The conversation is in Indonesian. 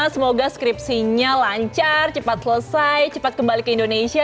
semoga skripsinya lancar cepat selesai cepat kembali ke indonesia